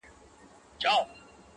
همېشه پر حیوانانو مهربان دی,